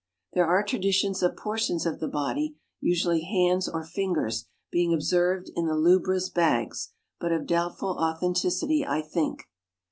There are traditions of portions of the body, usually hands or fingers, being observed in the lubras' bags, but of doubtful authenticity, I think.